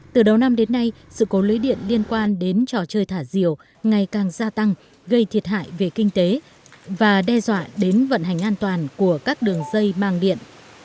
từ đầu năm đến nay sự cố lưới điện liên quan đến trò chơi thả diều ngày càng gia tăng gây thiệt hại về kinh tế và đe dọa đến vận hành an toàn của các đường dây mang điện